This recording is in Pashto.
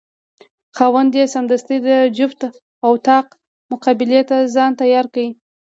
خاوند یې سمدستي د جفت او طاق مقابلې ته ځان تیار کړ.